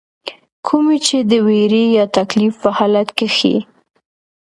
کومي چې د ويرې يا تکليف پۀ حالت کښې